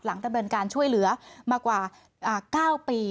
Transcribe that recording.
ดำเนินการช่วยเหลือมากว่า๙ปี